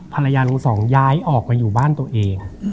ลุงสองย้ายออกมาอยู่บ้านตัวเอง